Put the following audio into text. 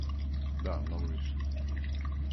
Да, много више.